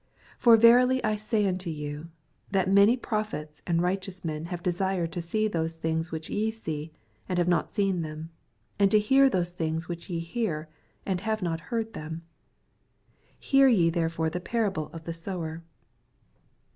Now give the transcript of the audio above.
17 For verily I say unto you, That many prophets and righteous mem have desired to see those things which ye see, and have not seen them ; and to hear those things which ye hear, and have not heard them. 18 Hear ye therefore the parable of the sower.